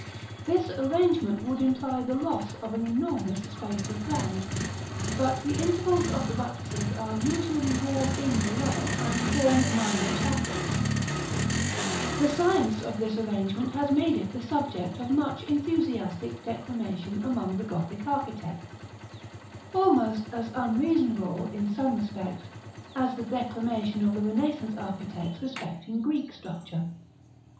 This arrangement would imply the loss of an enormous space of ground, but the intervals of the buttresses are usually walled in below, and form minor chapels. [Illustration: Fig. XLII.] § IX. The science of this arrangement has made it the subject of much enthusiastic declamation among the Gothic architects, almost as unreasonable, in some respects, as the declamation of the Renaissance architects respecting Greek structure.